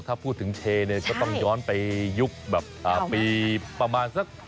ถ้าพูดถึงเชเนี่ยก็ต้องย้อนไปยุคแบบปีประมาณสัก